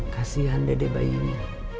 kasian dede bayinya